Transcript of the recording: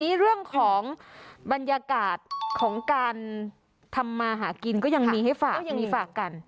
นี่เรื่องของบรรยากาศของการทำมาหากินก็ยังมีให้ฝากก็ยังมีฝากกัน